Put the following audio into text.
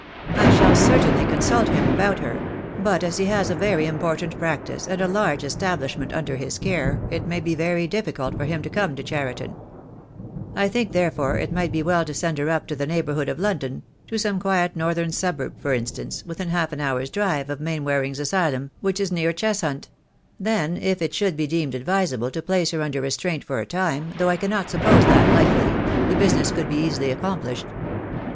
I shall certainly consult him about her — but as he has a very important practice, and a large establishment under his care, it may be very difficult for him to come to Cheriton. I think, therefore, it might be well to send her up to the neighbourhood of London — to some quiet northern suburb, for instance, within half an hour's drive of Mainwaring' s asylum, which is near Cheshunt; then, if it should be deemed advisable to place her under restraint for a time — though I cannot suppose that likely — the business could be easily accomplished.